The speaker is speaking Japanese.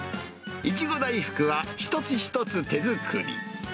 苺大福は、一つ一つ手作り。